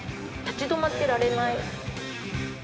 立ち止まってられない。